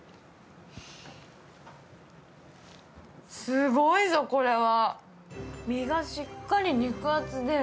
すごいぞ、これは。